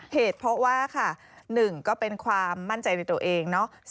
เหตุเพราะว่า๑เป็นความมั่นใจในตัวเอง